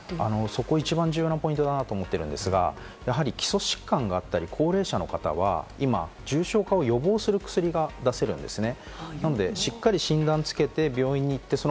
そこが一番重要なポイントだと思っていて、基礎疾患があったり、高齢者の方は今、重症化を予防する薬が出せるんですね。